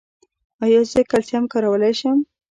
ایا زه کلسیم کارولی شم؟